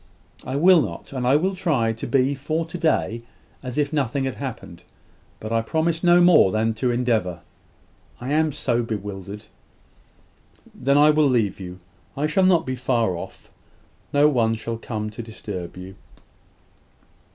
"I will not. And I will try to be for to day as if nothing had happened: but I promise no more than to endeavour I am so bewildered!" "Then I will leave you. I shall not be far off. No one shall come to disturb you."